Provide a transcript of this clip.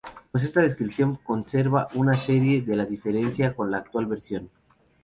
Pues esta descripción conserva una serie de la diferencia con la actual versión.